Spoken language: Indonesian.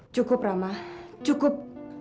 cukup rama cukup